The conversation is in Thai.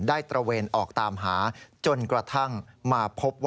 ได้เตือนออกตามหาจนนกระทั่งมาพบ